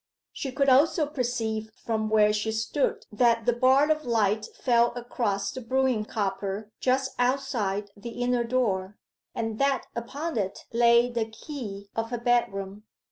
She could also perceive from where she stood that the bar of light fell across the brewing copper just outside the inner door, and that upon it lay the key of her bedroom.